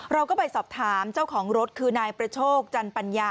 เราก็ไปสอบถามเจ้าของรถคือนายประโชคจันปัญญา